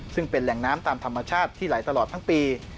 ซึ่งเป็นแหล่งน้ำตามธรรมชาติที่ไหลตลอดทั้งปี